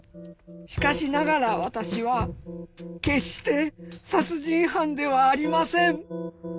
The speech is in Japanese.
しかしながら私は決して殺人犯ではありません」。